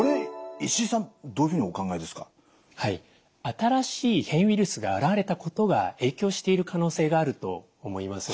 新しい変異ウイルスが現れたことが影響している可能性があると思います。